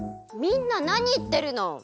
みんななにいってるの！